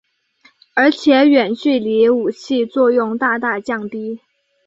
而且远距离武器作用大大降低。